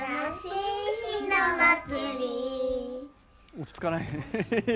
落ち着かない。